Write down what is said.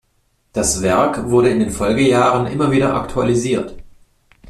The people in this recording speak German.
Das Werk wurde in den Folgejahren immer wieder aktualisiert.